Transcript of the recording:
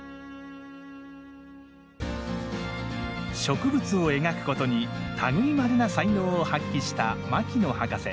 植物を描くことに類いまれな才能を発揮した牧野博士。